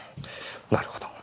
なるほど。